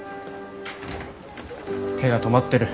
手が止まってる。